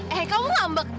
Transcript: eh kamu ngambek